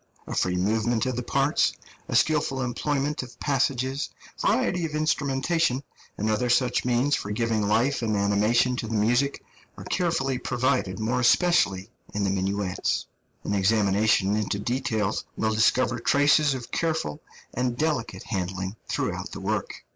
A free movement of the parts, a skilful employment of passages, variety of instrumentation, and other such means for giving life and animation to the music, are carefully provided, more especially in the minuets. An examination into details will discover traces of careful and delicate handling throughout the work.